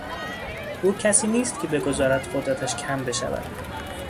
او کسی نیست که بگذارد قدرتش کم بشود.